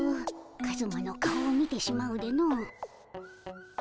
カズマの顔を見てしまうでの。